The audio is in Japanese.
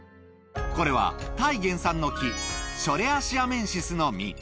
これはタイ原産の木、ショレア・シアメンシスの実。